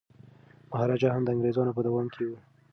مهاراجا هم د انګریزانو په دام کي و.